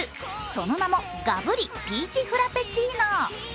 その名も、ＧＡＢＵＲＩピーチフラペチーノ。